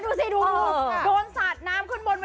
สุดยอดเลยคุณผู้ชมค่ะบอกเลยว่าเป็นการส่งของคุณผู้ชมค่ะ